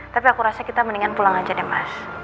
tapi aku rasa kita mendingan pulang aja deh mas